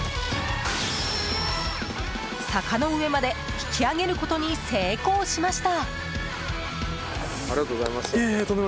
坂の上まで引き上げることに成功しました。